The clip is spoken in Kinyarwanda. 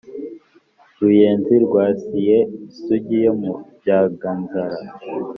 Ruyenzi rwasiye Isugi yo mu Byanganzara